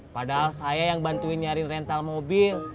padahal saya yang bantuin nyari rental mobil